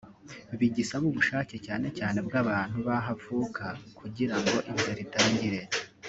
bigisaba ubushake cyane cyane bw’abantu b’aho avuka kugira ngo inzira itangire